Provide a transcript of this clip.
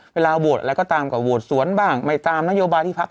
เวลาโหวตอะไรก็ตามก็โหวตสวนบ้างไม่ตามนโยบายที่พัก